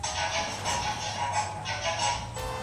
بازارونه د کورنیو او بهرنیو توکو ډک وو.